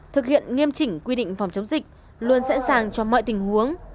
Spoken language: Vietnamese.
thực hiện nghiêm chỉnh quy định phòng chống dịch luôn sẵn sàng cho mọi tình huống